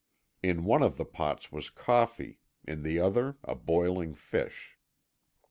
In one of the pots was coffee, in the other a boiling fish.